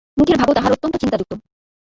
মুখের ভাবও তাহার অত্যন্ত চিন্তাযুক্ত।